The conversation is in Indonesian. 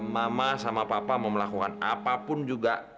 mama sama papa mau melakukan apapun juga